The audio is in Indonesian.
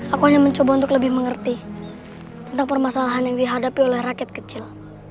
aku hanya mencoba untuk lebih mengerti tentang permasalahan yang dihadapi oleh rakyat kecil